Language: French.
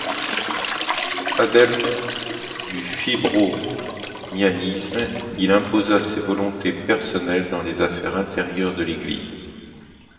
Adepte du fébronianisme, il imposa ses volontés personnelles dans les affaires intérieures de l'Église.